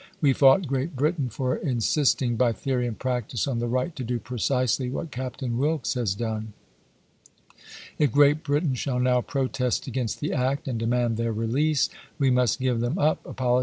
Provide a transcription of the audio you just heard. We fought G reat Britain for insisting, by theory and practice, on the right to do precisely what Captain Wilkes has done. If 26 ABRAHAM LINCOLN Chap. II. Great Britain shall now protest against the act, and demand their release, we must give them up, apolo u>s8in.